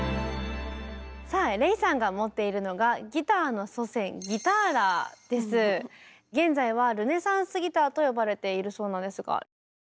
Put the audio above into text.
さあＲｅｉさんが持っているのが現在はルネサンスギターと呼ばれているそうなんですが。